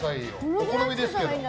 お好みですけど。